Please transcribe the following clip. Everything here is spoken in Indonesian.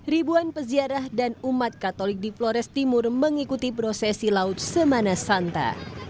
ribuan peziarah dan umat katolik di flores timur mengikuti prosesi laut semana santa